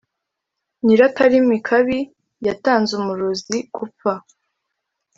Nyirakarimi kabi yatanze umurozi gupfa.